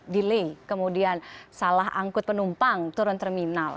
dealing kemudian salah angkut penumpang turun terminal